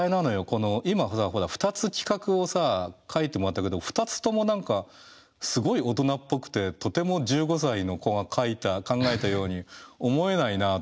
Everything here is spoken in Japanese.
この今さ２つ企画を書いてもらったけど２つとも何かすごい大人っぽくてとても１５歳の子が書いた考えたように思えないなと思いながら読んでて。